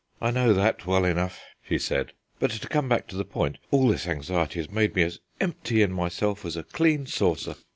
"I know that well enough," she said; "but to come back to the point, all this anxiety has made me as empty in myself as a clean saucer."